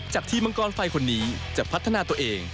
ทีมมังกรไฟคนนี้จะพัฒนาตัวเอง